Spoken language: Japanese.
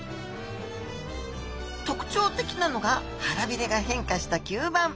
特徴的なのが腹鰭が変化した吸盤。